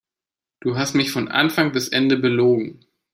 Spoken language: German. Du hast mich von Anfang bis Ende belogen.